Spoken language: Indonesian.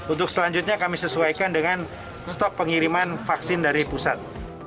untuk selanjutnya kami sesuaikan dengan stok pengiriman vaksin dari pusat